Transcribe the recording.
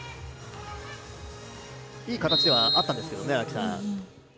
いい形ではあったんですけどね。